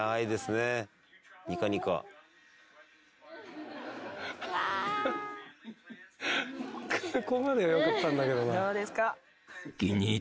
ここまではよかったんだけどな。